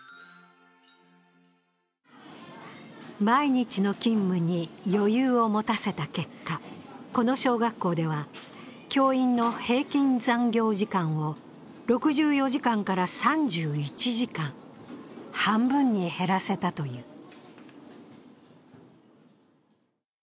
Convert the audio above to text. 毎日の勤務に余裕を持たせた結果、この小学校では、教員の平均残業時間を６５時間から３１時間半分に減らせたという。